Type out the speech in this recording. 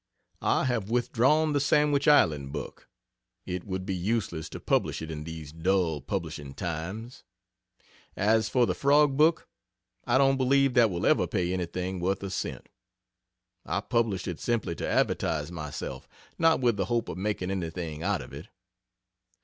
I have withdrawn the Sandwich Island book it would be useless to publish it in these dull publishing times. As for the Frog book, I don't believe that will ever pay anything worth a cent. I published it simply to advertise myself not with the hope of making anything out of it.